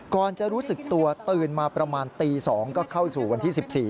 ก่อนจะรู้สึกตัวตื่นมาประมาณตี๒ก็เข้าสู่วันที่๑๔